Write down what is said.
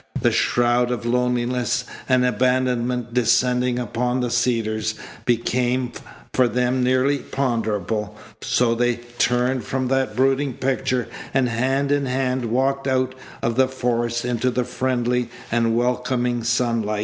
The shroud of loneliness and abandonment descending upon the Cedars became for them nearly ponderable. So they turned from that brooding picture, and hand in hand walked out of the forest into the friendly and welcoming sunlight.